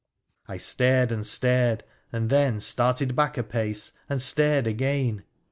I stared and stared, and then started back a pace and stared again.